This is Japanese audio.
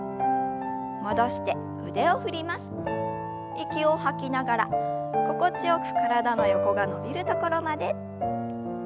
息を吐きながら心地よく体の横が伸びるところまで。